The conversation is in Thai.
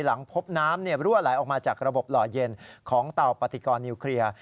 หลังพบน้ำรั่วไหลออกมาจากระบบหล่อเย็นของเตาปฏิกรนิวเคลียร์